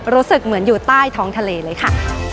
รู้สึกเหมือนอยู่ใต้ท้องทะเลเลยค่ะ